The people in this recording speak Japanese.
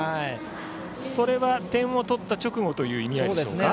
それは点を取った直後という意味合いでしょうか？